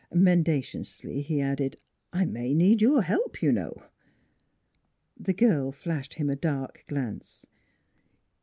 Mendaciously he added: " I may need your help, you know." The girl flashed him a dark glance.